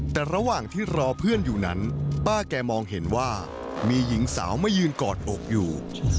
แต่ระหว่างที่รอเพื่อนอยู่นั้นป้าแกมองเห็นว่ามีหญิงสาวมายืนกอดอกอยู่